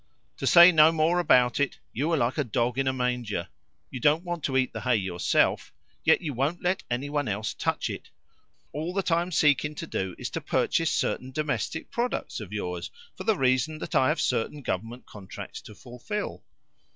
To say no more about it, you are like a dog in a manger. You don't want to eat the hay yourself, yet you won't let anyone else touch it. All that I am seeking to do is to purchase certain domestic products of yours, for the reason that I have certain Government contracts to fulfil."